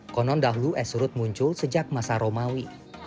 konon dahulu esrut muncul sejak masa romawi